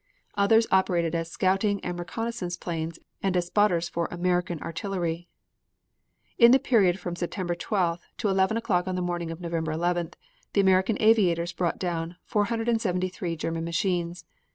Others operated as scouting and reconnaissance planes and as spotters for American artillery. In the period from September 12th to 11 o'clock on the morning on November 11th, the American aviators brought down 473 German machines.